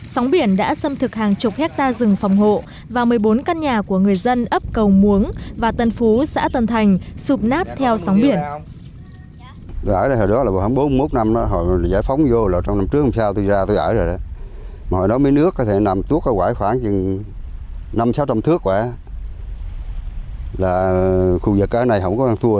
sóng biển đã xâm thực hàng chục hectare rừng phòng hộ và một mươi bốn căn nhà của người dân ấp cầu muống và tân phú xã tân thành sụp nát theo sóng biển